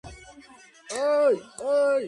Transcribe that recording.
ფშავლების ნაბინავრად წოდებულ ადგილზე.